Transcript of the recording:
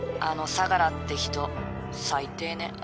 あの相良って人最低ね。